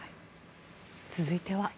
続いては。